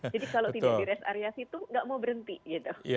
jadi kalau tidak di rest area itu tidak mau berhenti gitu